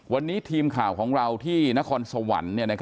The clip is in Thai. วันนี้ทีมข่าวของเราที่นครสวรรค์